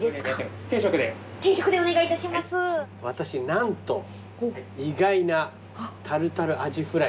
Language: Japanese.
私何と意外なタルタルアジフライ二枚。